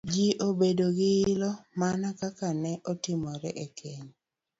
ji obed gi ilo, mana kaka ne otimore e Kenya